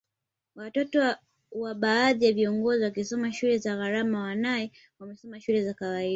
Watoto wa baadhi ya viongozi wakisoma shule za gharama wanae wamesoma shule za kawaida